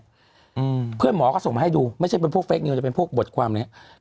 อืมเพื่อนหมอก็ส่งมาให้ดูไม่ใช่เป็นพวกเฟคนิวจะเป็นพวกบทความอะไรอย่างเงี้ย